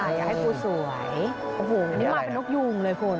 อยากให้กูสวยโอ้โหนี่มาเป็นนกยูงเลยคุณ